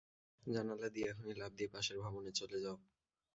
জানালা দিয়ে এখনই লাফ দিয়ে পাশের ভবনে চলে যাও।